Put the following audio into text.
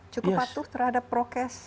cukup patuh terhadap prokes